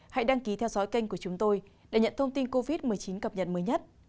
hãy đăng ký theo dõi kênh của chúng tôi để nhận thông tin covid một mươi chín cập nhật mới nhất